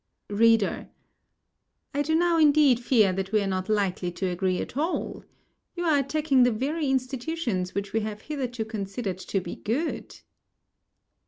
READER: I do now indeed fear that we are not likely to agree at all. You are attacking the very institutions which we have hitherto considered to be good.